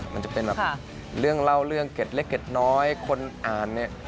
มันจะเป็นแบบเรื่องเล่าเรื่องเกร็ดเล็กเกร็ดน้อยคนอ่านเนี่ย